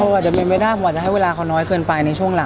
อาจจะเป็นไปได้ผมอาจจะให้เวลาเขาน้อยเกินไปในช่วงหลัง